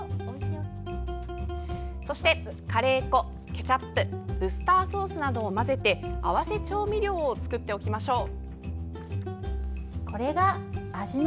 そしてカレー粉、ケチャップウスターソースなどを混ぜて合わせ調味料を作っておきましょう。